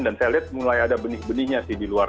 dan saya lihat mulai ada benih benihnya sih di luar